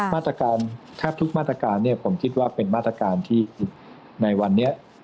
มาตรการแทบทุกมาตรการผมคิดว่าเป็นมาตรการที่ในวันนี้